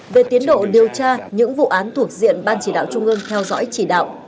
về tiến độ điều tra những vụ án thuộc diện ban chỉ đạo trung ương theo dõi chỉ đạo